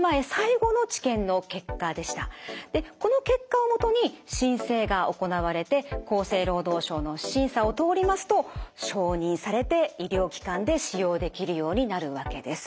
でこの結果をもとに申請が行われて厚生労働省の審査を通りますと承認されて医療機関で使用できるようになるわけです。